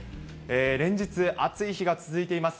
連日、暑い日が続いています。